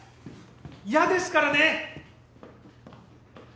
嫌ですからね！